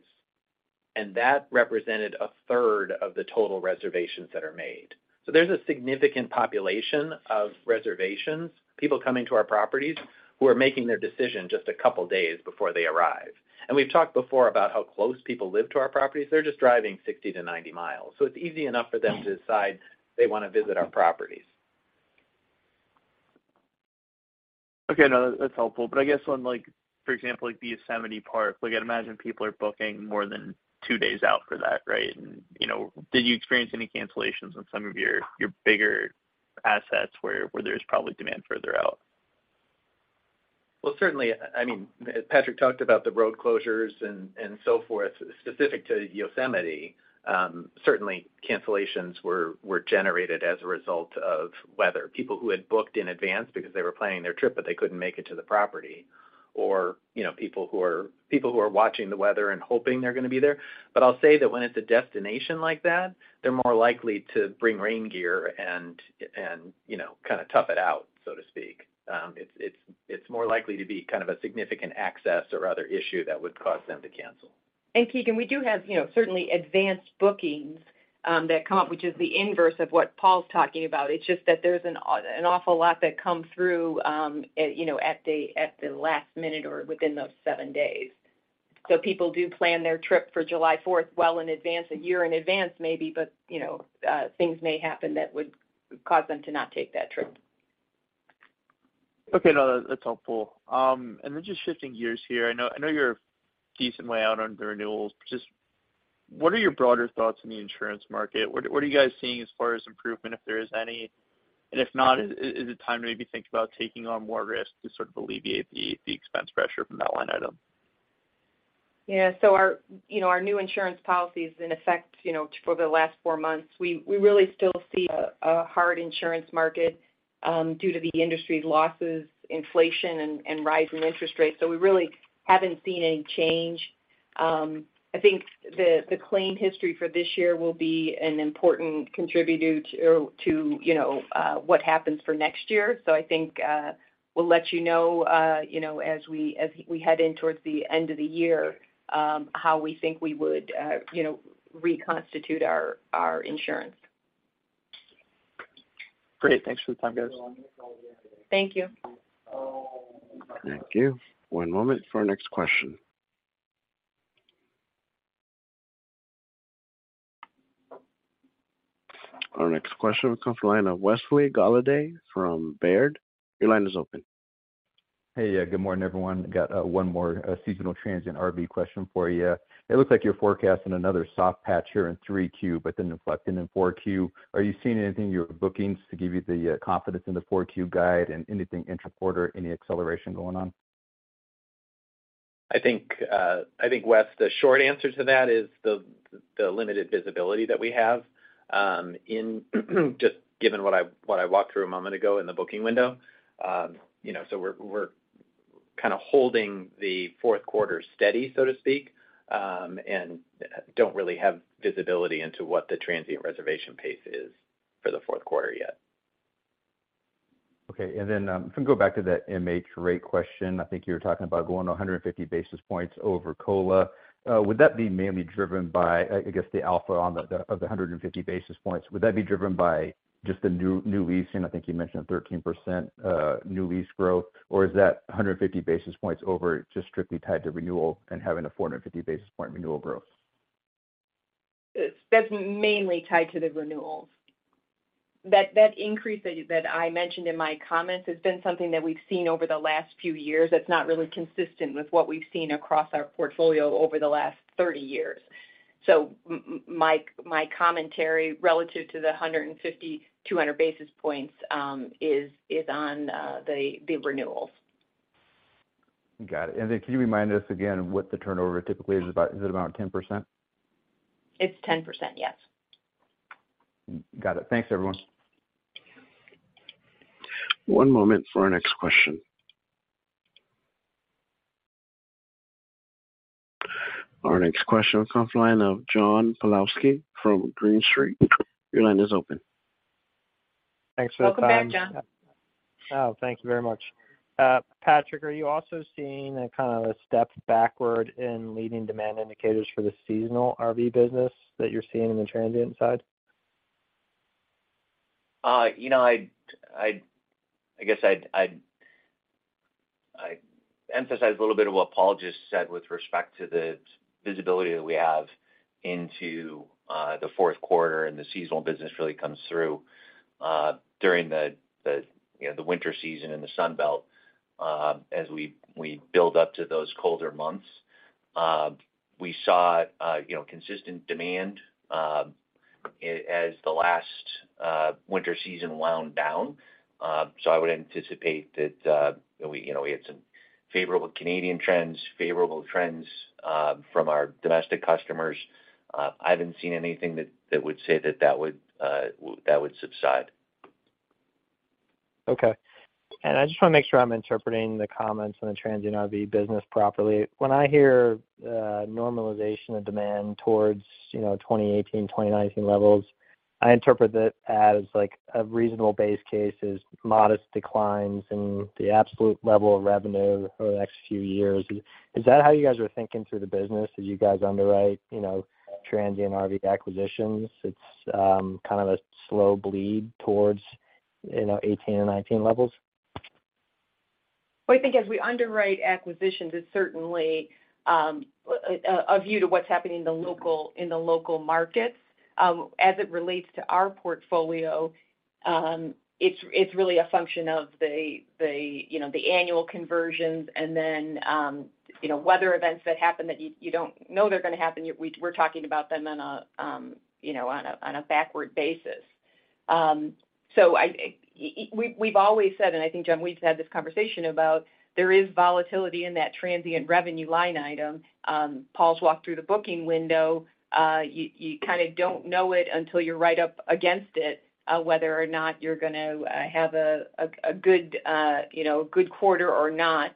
That represented a third of the total reservations that are made. There's a significant population of reservations, people coming to our properties, who are making their decision just a couple of days before they arrive. We've talked before about how close people live to our properties. They're just driving 60 to 90 miles, so it's easy enough for them to decide they want to visit our properties. Okay, no, that's helpful. I guess when, like, for example, like the Yosemite Park, like, I'd imagine people are booking more than two days out for that, right? You know, did you experience any cancellations on some of your bigger assets where there's probably demand further out? Well, certainly, I mean, Patrick talked about the road closures and so forth, specific to Yosemite. Certainly, cancellations were generated as a result of weather. People who had booked in advance because they were planning their trip, but they couldn't make it to the property, or, you know, people who are watching the weather and hoping they're going to be there. I'll say that when it's a destination like that, they're more likely to bring rain gear and, you know, kind of tough it out, so to speak. It's more likely to be kind of a significant access or other issue that would cause them to cancel. Keegan, we do have, you know, certainly advanced bookings that come up, which is the inverse of what Paul's talking about. It's just that there's an awful lot that come through at, you know, at the, at the last minute or within those 7 days. People do plan their trip for July Fourth well in advance, 1 year in advance, maybe, but, you know, things may happen that would cause them to not take that trip. Okay, no, that's helpful. Just shifting gears here. I know you're a decent way out on the renewals, but just what are your broader thoughts on the insurance market? What are you guys seeing as far as improvement, if there is any? If not, is it time to maybe think about taking on more risk to sort of alleviate the expense pressure from that one item? Yeah. Our, you know, our new insurance policy is in effect, you know, for the last four months. We really still see a hard insurance market due to the industry's losses, inflation, and rising interest rates, so we really haven't seen any change. I think the claim history for this year will be an important contributor to, you know, what happens for next year. I think we'll let you know, you know, as we head in towards the end of the year, how we think we would, you know, reconstitute our insurance. Great. Thanks for the time, guys. Thank you. Thank you. One moment for our next question. Our next question comes from the line of Wesley Golladay from Baird. Your line is open. Hey, good morning, everyone. I got one more seasonal transient RV question for you. It looks like you're forecasting another soft patch here in 3Q, but then reflecting in 4Q. Are you seeing anything in your bookings to give you the confidence in the 4Q guide and anything intraquarter, any acceleration going on? I think, Wes, the short answer to that is the limited visibility that we have, in, just given what I walked through a moment ago in the booking window. You know, so we're kind of holding the fourth quarter steady, so to speak, and don't really have visibility into what the transient reservation pace is for the fourth quarter yet. Okay. If we go back to that MH rate question, I think you were talking about going 150 basis points over COLA. Would that be mainly driven by, I guess, the alpha of the 150 basis points? Would that be driven by just the new leasing? I think you mentioned 13%, new lease growth, or is that 150 basis points over just strictly tied to renewal and having a 450 basis point renewal growth? That's mainly tied to the renewals. That increase that I mentioned in my comments has been something that we've seen over the last few years. That's not really consistent with what we've seen across our portfolio over the last 30 years. My commentary relative to the 150, 200 basis points is on the renewals. Got it. Then can you remind us again what the turnover typically is? Is it about 10%? It's 10%, yes. Got it. Thanks, everyone. One moment for our next question. Our next question comes line of John Pawlowski from Green Street. Your line is open. Thanks for the time- Welcome back, John. Thank you very much. Patrick, are you also seeing a kind of a step backward in leading demand indicators for the seasonal RV business that you're seeing in the transient side? You know, I guess I'd emphasize a little bit of what Paul just said with respect to the visibility that we have into the fourth quarter, and the seasonal business really comes through during the you know, the winter season in the Sun Belt, as we build up to those colder months. We saw, you know, consistent demand as the last winter season wound down. I would anticipate that, we, you know, we had some favorable Canadian trends, favorable trends from our domestic customers. I haven't seen anything that would say that would subside. Okay. I just want to make sure I'm interpreting the comments on the transient RV business properly. When I hear normalization of demand towards, you know, 2018, 2019 levels, I interpret that as like a reasonable base case is modest declines in the absolute level of revenue over the next few years. Is that how you guys are thinking through the business as you guys underwrite, you know, transient RV acquisitions? It's kind of a slow bleed towards, you know, 18 and 19 levels? I think as we underwrite acquisitions, it's certainly a view to what's happening in the local markets. As it relates to our portfolio, it's really a function of the, you know, the annual conversions and then, you know, weather events that happen that you don't know they're going to happen. We're talking about them on a, you know, backward basis. We've always said, and I think, John, we've had this conversation about there is volatility in that transient revenue line item. Paul's walked through the booking window. You kind of don't know it until you're right up against it, whether or not you're gonna have a good, you know, a good quarter or not,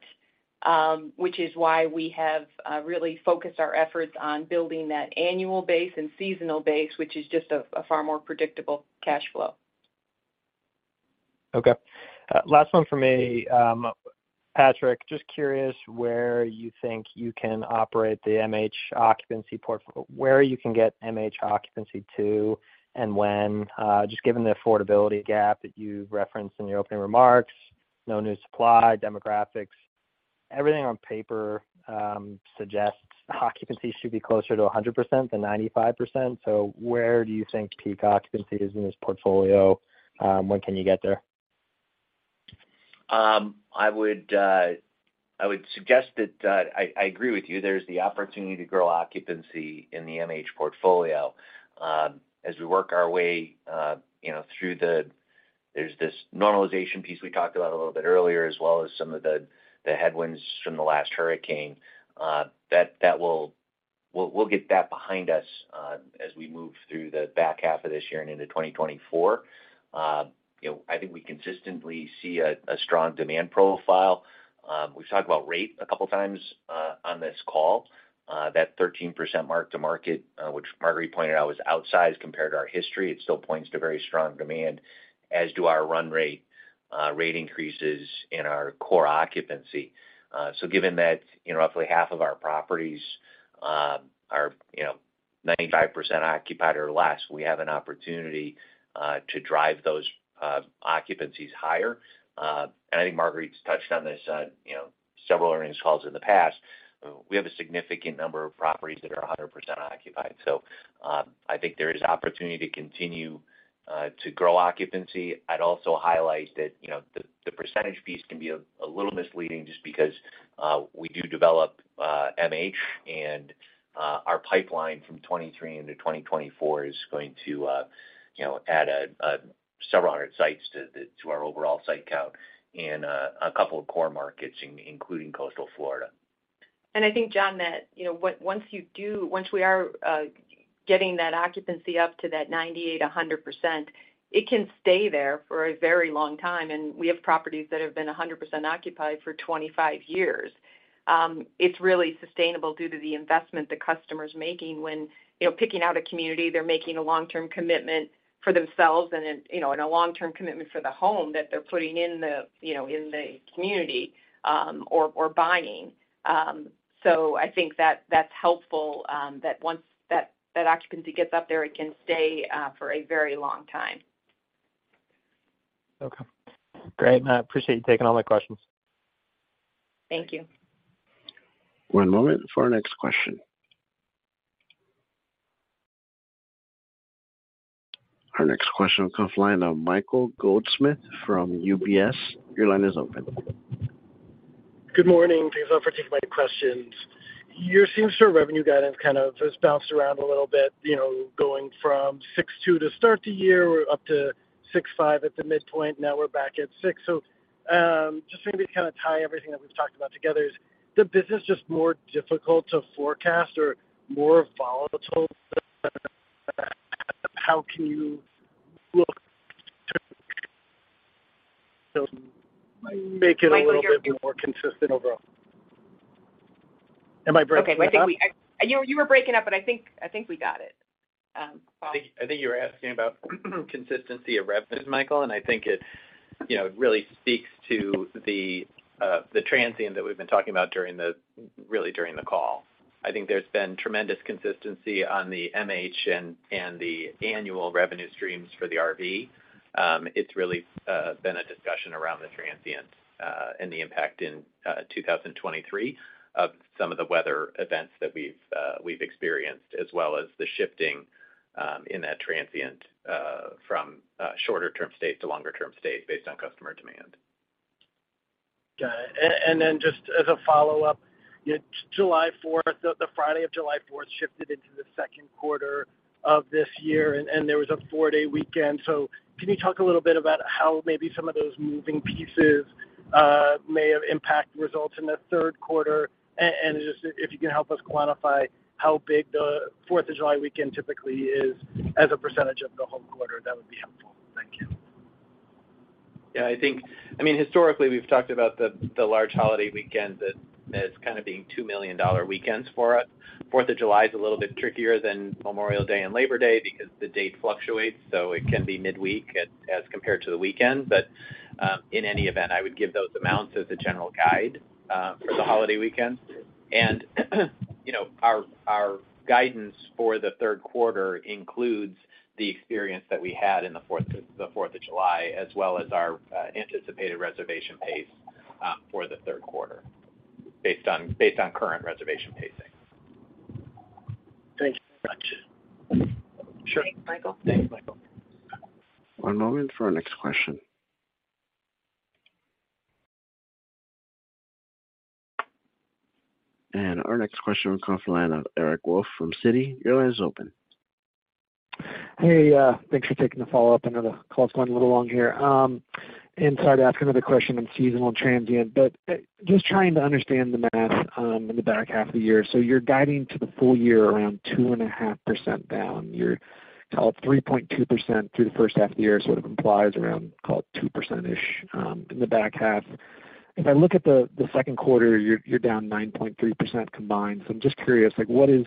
which is why we have really focused our efforts on building that annual base and seasonal base, which is just a far more predictable cash flow. Okay. Last one for me. Patrick, just curious where you think you can operate the MH occupancy where you can get MH occupancy to and when, just given the affordability gap that you referenced in your opening remarks, no new supply, demographics. Everything on paper suggests occupancy should be closer to 100% than 95%. Where do you think peak occupancy is in this portfolio? When can you get there? I would suggest that I agree with you. There's the opportunity to grow occupancy in the MH portfolio. As we work our way, you know. There's this normalization piece we talked about a little bit earlier, as well as some of the headwinds from the last hurricane. We'll get that behind us as we move through the back half of this year and into 2024. You know, I think we consistently see a strong demand profile. We've talked about rate a couple times on this call. That 13% mark-to-market, which Marguerite pointed out, was outsized compared to our history. It still points to very strong demand, as do our run rate rate increases in our core occupancy. Given that, you know, roughly half of our properties are, you know, 95% occupied or less, we have an opportunity to drive those occupancies higher. I think Marguerite's touched on this, you know, several earnings calls in the past. We have a significant number of properties that are 100% occupied. I think there is opportunity to continue to grow occupancy. I'd also highlight that, you know, the percentage piece can be a little misleading just because we do develop MH, and our pipeline from 23 into 2024 is going to, you know, add several hundred sites to the to our overall site count in a couple of core markets, including coastal Florida. I think, John, that, you know, once we are getting that occupancy up to that 98%-100%, it can stay there for a very long time, and we have properties that have been 100% occupied for 25 years. It's really sustainable due to the investment the customer's making when, you know, picking out a community, they're making a long-term commitment for themselves and, you know, a long-term commitment for the home that they're putting in the, you know, in the community, or buying. I think that's helpful, that once that occupancy gets up there, it can stay for a very long time. Okay, great. I appreciate you taking all my questions. Thank you. One moment for our next question. Our next question comes line of Michael Goldsmith from UBS. Your line is open. Good morning. Thanks a lot for taking my questions. Your same-store revenue guidance kind of has bounced around a little bit, you know, going from 6.2% to start the year, up to 6.5% at the midpoint, now we're back at 6%. Just maybe kind of tie everything that we've talked about together. Is the business just more difficult to forecast or more volatile? Make it a little bit more consistent overall. Am I breaking up? Okay, I think we, I, you know, you were breaking up, but I think we got it, Bob. I think you were asking about consistency of revenues, Michael, and I think it, you know, really speaks to the transient that we've been talking about really during the call. I think there's been tremendous consistency on the MH and the annual revenue streams for the RV. It's really been a discussion around the transient and the impact in 2023, of some of the weather events that we've experienced, as well as the shifting in that transient from shorter-term stays to longer-term stays based on customer demand. Got it. Then just as a follow-up, July fourth, the Friday of July fourth shifted into the second quarter of this year, and there was a 4-day weekend. Can you talk a little bit about how maybe some of those moving pieces may have impacted results in the third quarter? Just if you can help us quantify how big the Fourth of July weekend typically is as a % of the whole quarter, that would be helpful. Thank you. Yeah, I think, I mean, historically, we've talked about the large holiday weekend as kind of being $2 million weekends for us. Fourth of July is a little bit trickier than Memorial Day and Labor Day because the date fluctuates, so it can be midweek as compared to the weekend. In any event, I would give those amounts as a general guide for the holiday weekend. You know, our guidance for the third quarter includes the experience that we had in the Fourth of July, as well as our anticipated reservation pace for the third quarter, based on current reservation pacing. Thank you very much. Sure. Thanks, Michael. Thanks, Michael. One moment for our next question. Our next question from the line of Eric Wolfe from Citi. Your line is open. Hey, thanks for taking the follow-up. I know the call's going a little long here. Sorry to ask another question on seasonal transient, just trying to understand the math in the back half of the year. You're guiding to the full year around 2.5% down. Your call, 3.2% through the first half of the year sort of implies around, call it, 2%-ish in the back half. If I look at the second quarter, you're down 9.3% combined. I'm just curious, like, what is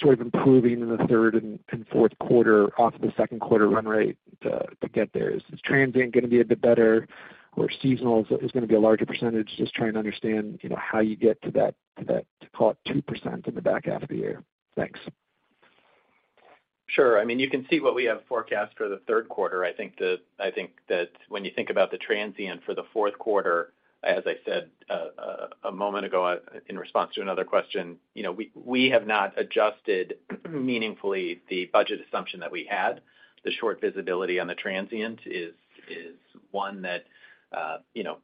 sort of improving in the third and fourth quarter off of the second quarter run rate to get there? Is transient going to be a bit better, or seasonal is going to be a larger percentage? Just trying to understand, you know, how you get to that, call it 2% in the back half of the year. Thanks. Sure. I mean, you can see what we have forecast for the third quarter. I think that when you think about the transient for the fourth quarter, as I said, a moment ago in response to another question, you know, we have not adjusted meaningfully the budget assumption that we had. The short visibility on the transient is one that, you know,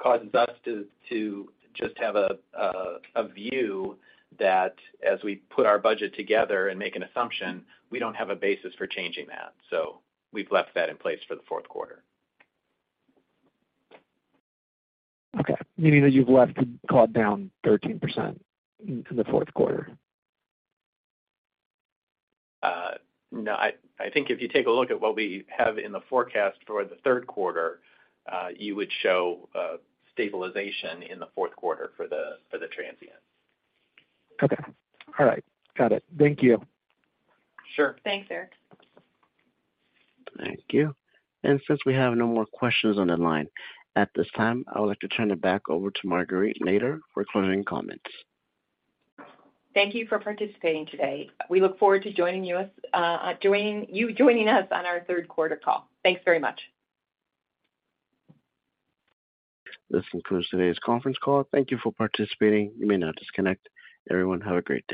causes us to just have a view that as we put our budget together and make an assumption, we don't have a basis for changing that. We've left that in place for the fourth quarter. Okay. Meaning that you've left it, call it, down 13% in the fourth quarter? No. I think if you take a look at what we have in the forecast for the third quarter, you would show stabilization in the fourth quarter for the transient. Okay. All right. Got it. Thank you. Sure. Thanks, Eric. Thank you. Since we have no more questions on the line, at this time, I would like to turn it back over to Marguerite Nader for closing comments. Thank you for participating today. We look forward to joining you joining us on our third quarter call. Thanks very much. This concludes today's conference call. Thank you for participating. You may now disconnect. Everyone, have a great day.